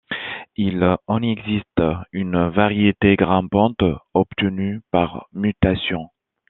Il en existe une variété grimpante obtenue par mutation.